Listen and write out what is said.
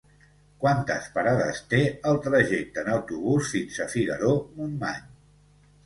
Quantes parades té el trajecte en autobús fins a Figaró-Montmany?